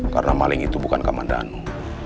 karena maling itu bukan kamandanu